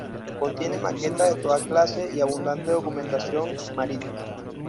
Contiene maquetas de todas clases y abundante documentación marítima.